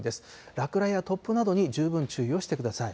落雷や突風などに十分注意をしてください。